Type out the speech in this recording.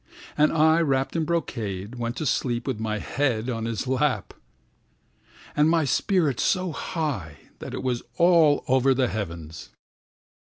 And I, wrapped in brocade, went to sleep with my head on his lap, And my spirit so high that it was all over the heavens.